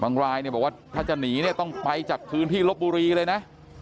บางรายบอกว่าถ้าจะหนีต้องไปจากคืนที่รถบุรีเลยนะ